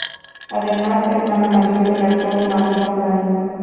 Además, hermana mayor del actor Marlon Brando.